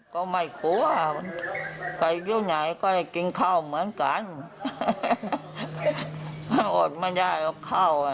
ก็ไม่กลัวแต่ยุ่นไหนก็ให้กินข้าวเหมือนกันออสไม่ได้เอาข้าว